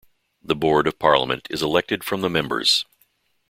The board of parliament is elected from the members.